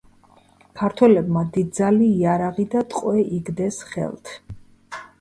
ქართველებმა დიდძალი იარაღი და ტყვე იგდეს ხელთ.